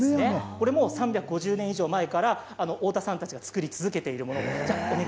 これも３５０年以上前から太田さんたちが作り続けているもの。